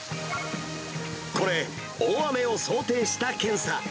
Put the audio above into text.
これ、大雨を想定した検査。